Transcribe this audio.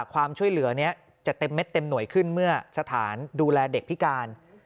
ความช่วยเหลือนี้จะเต็มเม็ดเต็มหน่วยขึ้นเมื่อสถานดูแลเด็กพิการ